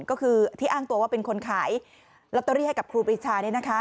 ก็คือที่อ้างตัวว่าเป็นคนขายลอตเตอรี่ให้กับครูปรีชา